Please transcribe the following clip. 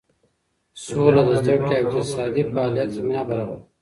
سوله د زده کړې او اقتصادي فعالیت زمینه برابروي.